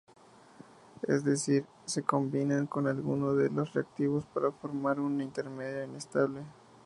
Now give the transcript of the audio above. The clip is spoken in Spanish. Es decir, se combinan con alguno de los reactivos para formar un intermedio inestable.